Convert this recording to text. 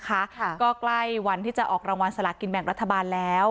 ก็ใกล้วันที่จะออกรางวัลสลากินแบ่งรัฐบาลแล้ว